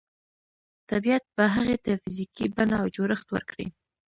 طبیعت به هغې ته فزیکي بڼه او جوړښت ورکړي